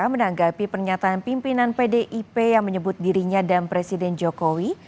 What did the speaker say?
menanggapi pernyataan pimpinan pdip yang menyebut dirinya dan presiden jokowi